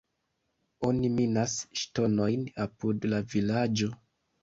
Oni minas ŝtonojn apud la vilaĝo.